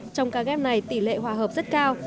trong ca ghép này tỷ lệ hòa hợp rất cao